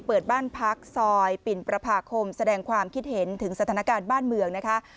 เปิดบ้านพักซอยปิ่นประพาคมแสดงความคิดเห็นถึงสถานการณ์บ้านเมืองนะคะ